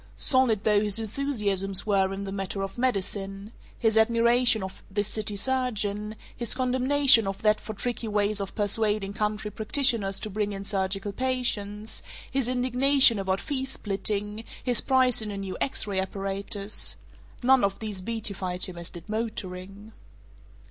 Solid though his enthusiasms were in the matter of medicine his admiration of this city surgeon, his condemnation of that for tricky ways of persuading country practitioners to bring in surgical patients, his indignation about fee splitting, his pride in a new X ray apparatus none of these beatified him as did motoring.